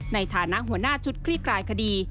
ในฐานะหัวหน้าชุดคลี่คลายคดี